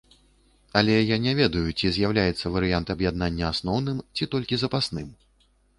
Але я не ведаю, ці з'яўляецца варыянт аб'яднання асноўным, ці толькі запасным.